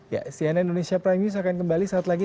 ya cnn indonesia prime news akan kembali saat lagi